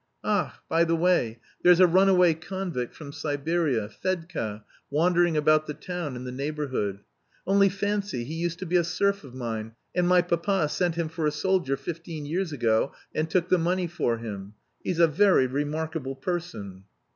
Ach, by the way, there's a run away convict from Siberia, Fedka, wandering about the town and the neighbourhood. Only fancy, he used to be a serf of mine, and my papa sent him for a soldier fifteen years ago and took the money for him. He's a very remarkable person."